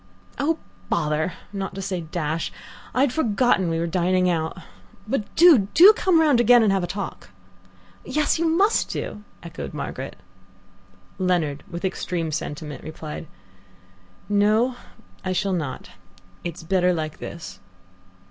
"Oh, bother, not to say dash I had forgotten we were dining out; but do, do, come round again and have a talk." "Yes, you must do," echoed Margaret. Leonard, with extreme sentiment, replied: "No, I shall not. It's better like this."